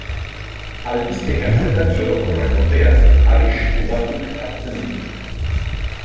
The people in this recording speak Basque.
Albiste-kazetari orokorrak, ordea, arrisku batzuk hartzen dituzte.